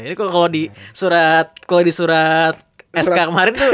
ini kok kalau di surat sk kemarin